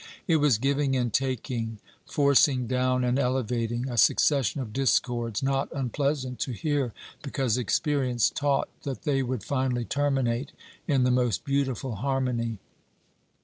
It was giving and taking, forcing down and elevating, a succession of discords, not unpleasant to hear, because experience taught that they would finally terminate in the most beautiful harmony.